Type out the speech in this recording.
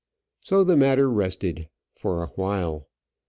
So the matter rested for awhile.